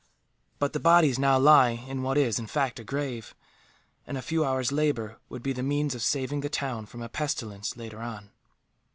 But the bodies now lie in what is, in fact, a grave; and a few hours' labour would be the means of saving the town from a pestilence, later on.